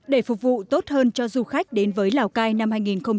để phục vụ tốt hơn cho du khách đến với lào cai năm hai nghìn một mươi bảy